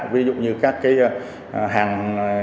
ví dụ như các hàng